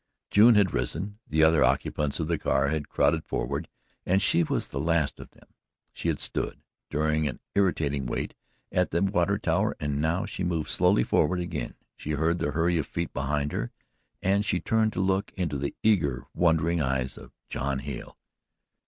June had risen. The other occupants of the car had crowded forward and she was the last of them. She had stood, during an irritating wait, at the water tower, and now as she moved slowly forward again she heard the hurry of feet behind her and she turned to look into the eager, wondering eyes of John Hale.